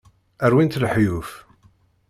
Rwin-t lehyuf.